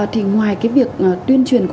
thì ngoài cái việc tuyên truyền của